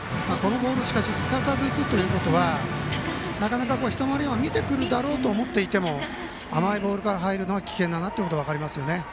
このボールをすかさず打つということはなかなか一回り目も見てくるだろうと思っても甘いボールから入るのは危険だなということが分かります。